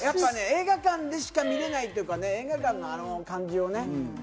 映画館でしか見れないとか、映画館のあの感じをね。